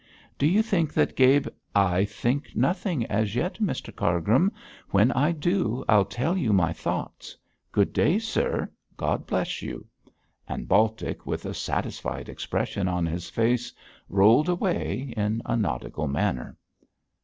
'Do you think that Gab ' 'I think nothing as yet, Mr Cargrim; when I do, I'll tell you my thoughts. Good day, sir! God bless you!' And Baltic, with a satisfied expression on his face, rolled away in a nautical manner.